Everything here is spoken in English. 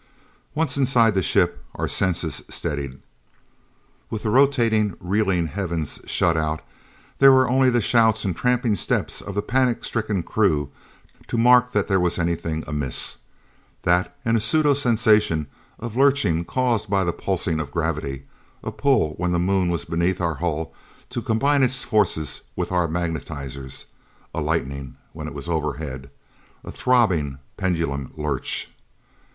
Once inside the ship, our senses steadied. With the rotating, reeling heavens shut out, there were only the shouts and tramping steps of the panic stricken crew to mark that there was anything amiss. That, and a pseudo sensation of lurching caused by the pulsing of gravity a pull when the Moon was beneath our hull to combine its forces with our magnetizers; a lightening, when it was overhead. A throbbing, pendulum lurch!